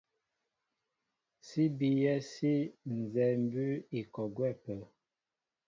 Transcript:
Sí bíyɛ́ sí nzɛ́ɛ́ mbʉ́ʉ́ i kɔ gwɛ́ ápə́.